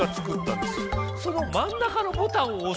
そのまん中のボタンをおす。